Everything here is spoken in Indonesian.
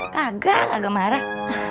kagak gak marah